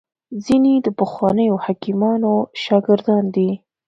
ځیني د پخوانیو حکیمانو شاګردان دي